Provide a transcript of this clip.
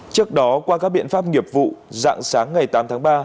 trước đó qua các biện pháp nghiệp vụ dạng sáng ngày tám tháng ba